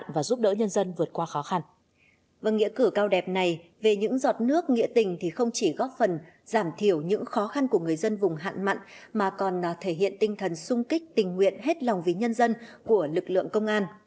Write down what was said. vâng nghĩa cử cao đẹp này về những giọt nước nghĩa tình thì không chỉ góp phần giảm thiểu những khó khăn của người dân vùng hạn mặn mà còn thể hiện tinh thần sung kích tình nguyện hết lòng với nhân dân của lực lượng công an